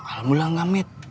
alhamdulillah engga med